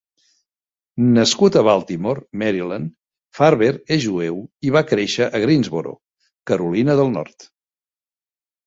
Nascut a Baltimore, Maryland, Farber és jueu i va créixer a Greensboro, Carolina del Nord.